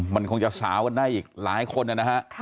มันคงจะสาวกันได้อีกหลายคนนะฮะ